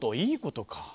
いいことか。